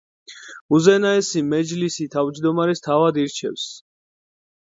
უზენაესი მეჯლისი თავმჯდომარეს თავად ირჩევს.